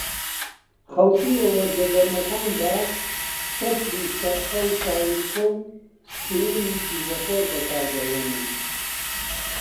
خەڵکی لە وەرزە گەرمەکاندا چەتر و شەپقە و چاویلکە و کرێمی دژەخۆر بەکاردەهێنن